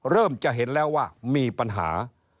เริ่มจะเห็นแล้วว่ามีปัญหา